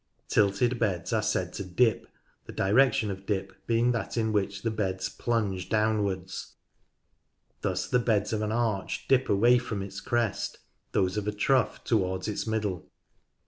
Tilted beds are said to dip, the direction of dip being that in which the beds plunge downwards, thus the beds of an arch dip away from its crest, those of a trough towards its middle.